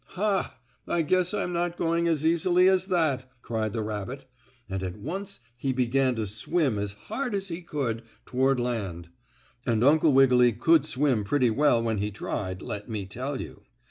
"Ha! I guess I'm not going as easily as that!" cried the rabbit, and at once he began to swim as hard as he could toward land, and Uncle Wiggily could swim pretty well when he tried, let me tell you.